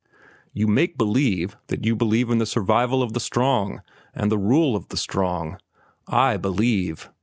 You make believe that you believe in the survival of the strong and the rule of the strong. I believe.